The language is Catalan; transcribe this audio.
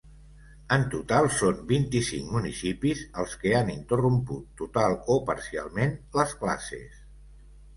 En total són vint-i-cinc municipis els que han interromput total o parcialment les classes.